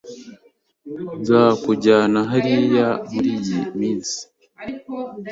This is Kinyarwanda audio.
Nzakujyana hariya muriyi minsi.